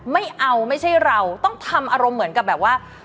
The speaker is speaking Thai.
ไม่เอาไม่ใช่เราต้องทำอารมณ์เหมือนกับแบบว่า